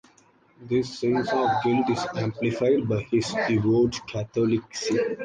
This sense of guilt is amplified by his devout Catholicism.